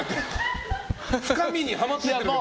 深みにはまってますよ。